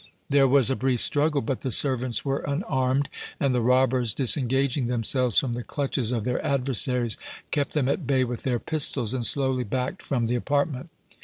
There was a brief struggle, but the servants were unarmed, and the robbers, disengaging themselves from the clutches of their adversaries, kept them at bay with their pistols and slowly backed from the apartment.